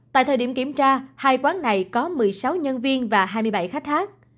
tại thời điểm kiểm tra hai quán này có một mươi sáu nhân viên và hai mươi bảy khách khác